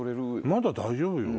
まだ大丈夫よ。